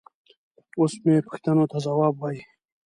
اوس مې پوښتنو ته ځواب وايي.